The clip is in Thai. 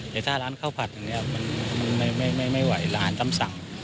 แต่ถ้าร้านข้าวผัดอย่างนี้มันไม่ไหวร้านอาหารตำสั่ง